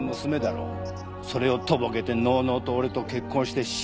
それをとぼけてのうのうと俺と結婚して失踪。